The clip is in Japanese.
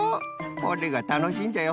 これがたのしいんじゃよ。